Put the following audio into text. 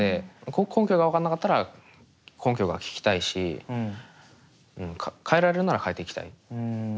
根拠が分かんなかったら根拠が聞きたいし変えられるなら変えていきたい。